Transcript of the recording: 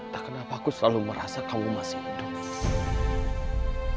tak kenapa aku selalu merasa kamu masih hidup